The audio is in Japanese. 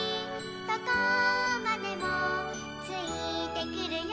どこまでもついてくるよ」